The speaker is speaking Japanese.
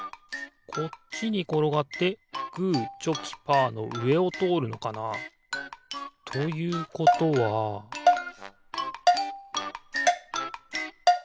こっちにころがってグーチョキパーのうえをとおるのかな？ということはピッ！